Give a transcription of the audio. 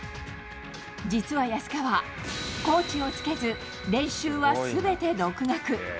実は安川、コーチをつけず、練習はすべて独学。